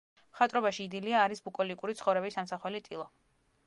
მხატვრობაში იდილია არის ბუკოლიკური ცხოვრების ამსახველი ტილო.